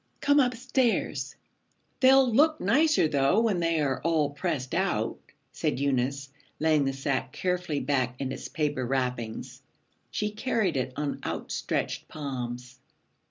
Come upstairs. They'll look nicer though when they are all pressed out,' said Eunice, laying the sack carefully back in its paper wrappings. She carried it on outstretched palms.